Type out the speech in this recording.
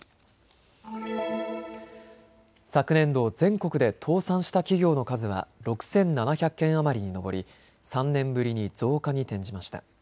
昨年度、全国で倒産した企業の数は６７００件余りに上り３年ぶりに増加に転じました。